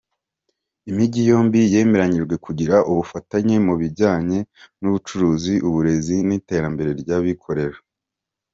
Imijyi yombi yemeranyijwe kugira ubufatanye mu bijyanye n’ubucuruzi, uburezi n’iterambere ry’abikorera.